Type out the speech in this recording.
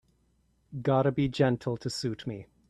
Gotta be gentle to suit me.